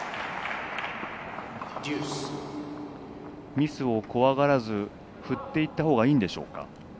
ミスを怖がらず振っていったほうがいいんでしょうか。